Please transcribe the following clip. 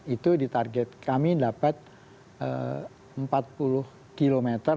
itu di target kami dapat empat puluh km di daerah terbesar